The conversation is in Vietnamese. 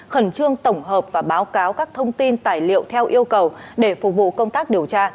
khẩn trương tổng hợp và báo cáo các thông tin tài liệu theo yêu cầu để phục vụ công tác điều tra